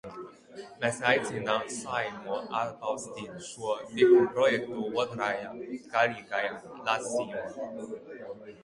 Mēs aicinām Saeimu atbalstīt šo likumprojektu otrajā, galīgajā, lasījumā.